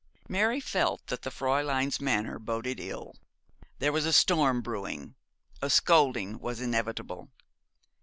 Mary felt that the Fräulein's manner boded ill. There was a storm brewing. A scolding was inevitable.